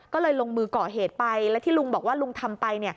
ก็เลยลงมือก่อเหตุไปและที่ลุงบอกว่าลุงทำไป